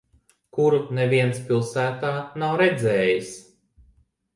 Kuru neviens pilsētā nav redzējis.